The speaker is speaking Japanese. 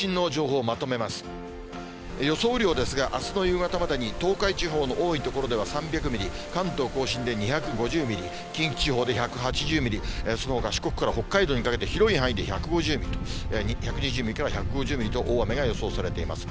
雨量ですが、あすの夕方までに東海地方の多い所では３００ミリ、関東甲信で２５０ミリ、近畿地方で１８０ミリ、そのほか四国から北海道にかけて広い範囲で１５０ミリと、１２０ミリから１５０ミリと大雨が予想されています。